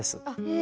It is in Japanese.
え！